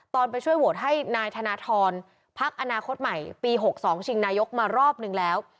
ไปช่วยโหวตให้นายธนทรพักอนาคตใหม่ปี๖๒ชิงนายกมารอบนึงแล้ว